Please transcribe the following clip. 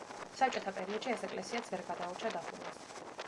საბჭოთა პერიოდში ეს ეკლესიაც ვერ გადაურჩა დახურვას.